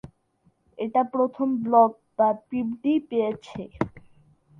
এটা প্রথম ব্লগ যা পিবডি পেয়েছে।